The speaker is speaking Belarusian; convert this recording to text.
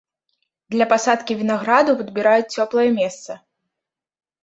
Для пасадкі вінаграду падбіраюць цёплае месца.